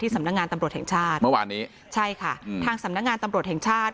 สำนักงานตำรวจแห่งชาติเมื่อวานนี้ใช่ค่ะอืมทางสำนักงานตำรวจแห่งชาติ